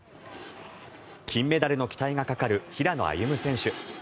金メダルの期待がかかる平野歩夢選手。